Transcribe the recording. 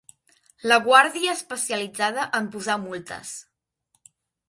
La guàrdia especialitzada en posar multes.